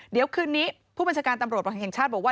เดี๋ยวคืนนี้ผู้บัญชาการตำรวจแห่งชาติบอกว่า